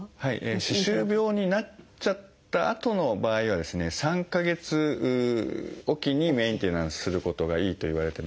歯周病になっちゃったあとの場合はですね３か月置きにメンテナンスすることがいいといわれてます。